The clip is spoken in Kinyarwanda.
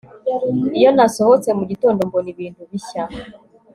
Iyo nasohotse mugitondo mbona ibintu bishya